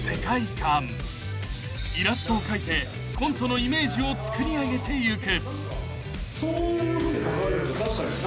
［イラストを描いてコントのイメージを作りあげていく］